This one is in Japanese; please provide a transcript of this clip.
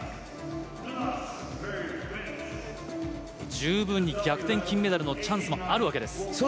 十分に逆転金メダルのチャンスもあるわけです。